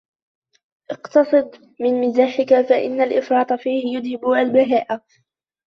اقْتَصِدْ فِي مِزَاحِك فَإِنَّ الْإِفْرَاطَ فِيهِ يُذْهِبُ الْبَهَاءَ